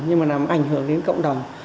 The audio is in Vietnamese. nhưng mà làm ảnh hưởng đến cộng đồng